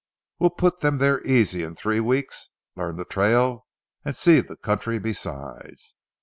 We'll put them there easy in three weeks, learn the trail and see the country besides.